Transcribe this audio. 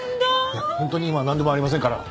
いや本当に今はなんでもありませんから。